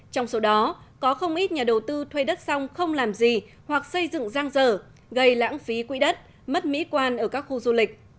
trong số đó có không ít nhà đầu tư thuê đất xong không làm gì hoặc xây dựng giang dở gây lãng phí quỹ đất mất mỹ quan ở các khu du lịch